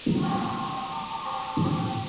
واوره د افغانانو د فرهنګي پیژندنې یوه برخه ده.